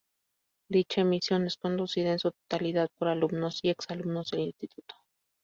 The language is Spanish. Dicha emisión es conducida en su totalidad por alumnos y ex-alumnos del Instituto.